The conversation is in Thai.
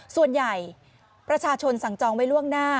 ส่วนใหญ่ประชาชนสั่งจองไว้ล่วงหน้า